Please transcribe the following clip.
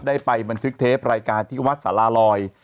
บางทุกทศาสตร์แรกว่าที่วัดสลลอย